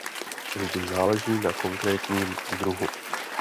Vždy záleží na konkrétním druhu.